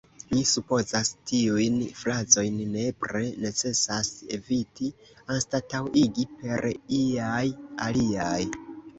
Mi supozas, tiujn frazojn nepre necesas eviti, anstataŭigi per iaj aliaj.